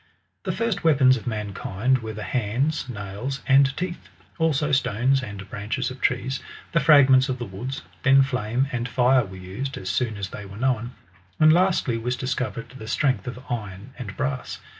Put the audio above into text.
The first weapons of mankind were the hands, nails, and teeth ; also stones, and branches of trees, the fragments of the woods ; then flame and Are were tised, as soon as they were known ; and lastly was discovered the strength of iron and brass.